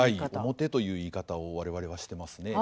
面という言い方を我々はしてますね。